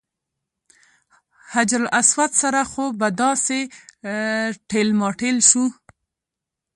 حجر اسود سره خو به داسې ټېل ماټېل شو.